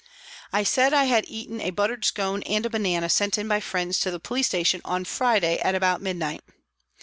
I said I had eaten a buttered scone and a banana sent in by friends to the police station on Friday at about midnight.